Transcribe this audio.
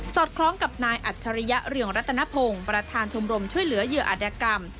อดคล้องกับนายอัจฉริยะเรืองรัตนพงศ์ประธานชมรมช่วยเหลือเหยื่ออัตยกรรม